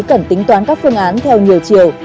cần tính toán các phương án theo nhiều chiều